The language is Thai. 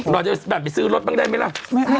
เราจะแบ่งไปซื้อรถบ้างได้ไหมล่ะ